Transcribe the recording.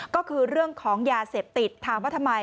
ก็คือเรื่องของยาเสพติดถามว่าทำไม